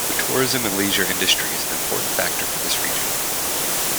The tourism and leisure industry is an important factor for this region.